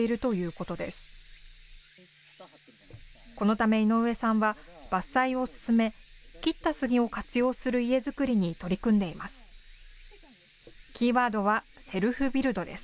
このため井上さんは伐採を進め、切った杉を活用する家づくりに取り組んでいます。